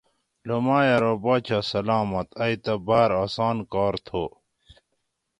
لومائ ارو باچہ سلامت! ائ تہ باۤر آسانہ کار تھو